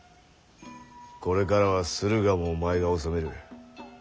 これからは駿河もお前が治める。